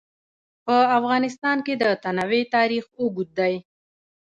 په افغانستان کې د تنوع تاریخ اوږد دی.